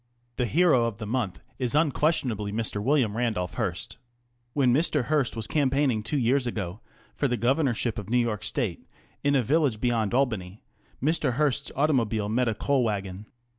THE hero of the month is unquestionably Mr. William Randolph Hearst. When Mr. Hearst was campaigning two years ago for the Governorship of New York State, in a village beyond Albany Mr. Hearst's automobile met a coal wagon.